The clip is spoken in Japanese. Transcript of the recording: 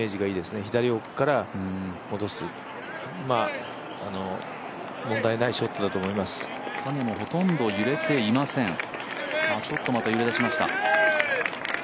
影もほとんど揺れていません。